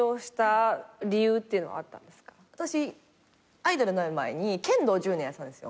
アイドルなる前に剣道１０年やってたんですよ。